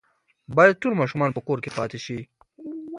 باید ټول ماشومان په کور کې پاتې شي.